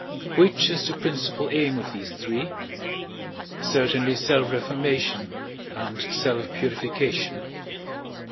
Which is the principal aim of these three? Certainly self reformation and self purification.